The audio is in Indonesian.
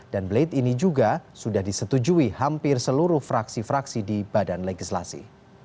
dan blade ini juga sudah disetujui hampir seluruh fraksi fraksi di badan legislasi